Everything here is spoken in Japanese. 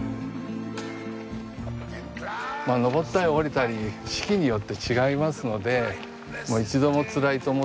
登ったり下りたり四季によって違いますので一度もつらいと思ったこともないですね。